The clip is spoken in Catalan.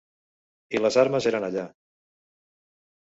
I les armes eren allà.